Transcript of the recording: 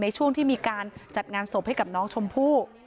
ในช่วงที่มีการจัดงานศพให้กับน้องชมพู่